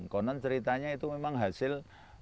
konon ceritanya itu memang hasil